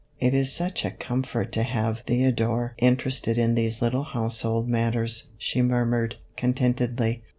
"It is such a comfort to have Theodore interested in these little household matters," she murmured, contentedly.